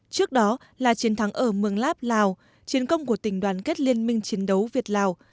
trước đó là chiến thắng ở mường lát lào chiến công của tỉnh đoàn kết liên minh chiến đấu việt lào